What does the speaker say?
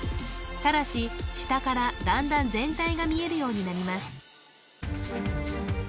ただし下からだんだん全体が見えるようになります